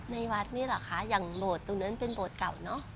ในวัดนี่เหรอคะอย่างโบสถ์ตรงนั้นเป็นโบสถ์เก่าเนอะ